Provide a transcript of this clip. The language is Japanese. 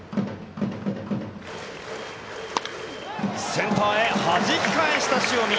センターへはじき返した塩見。